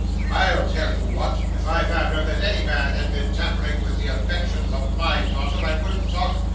I'll tell you what; if I found out that any man had been tampering with the affections of my daughter, I wouldn't talk.